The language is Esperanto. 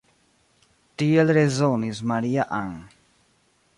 Tiel rezonis Maria-Ann.